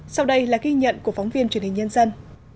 sau đây là ghi nhận của phóng viên truyền hình nhân dân